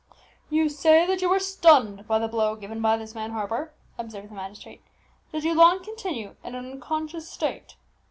"You say that you were stunned by the blow given by this man Harper," observed the magistrate. "Did you long continue in an unconscious state?"